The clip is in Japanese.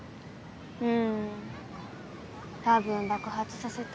うん多分爆発させた。